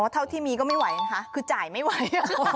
เท่าที่มีก็ไม่ไหวนะคะคือจ่ายไม่ไหว